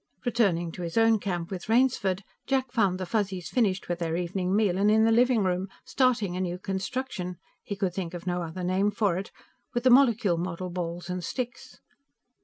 Returning to his own camp with Rainsford, Jack found the Fuzzies finished with their evening meal and in the living room, starting a new construction he could think of no other name for it with the molecule model balls and sticks.